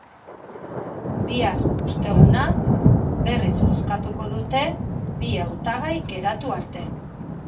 Bihar, osteguna, berriz bozkatuko dute, bi hautagai geratu arte.